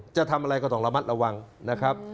จะทำอะไรก็ต้องระมัดระวังนะครับ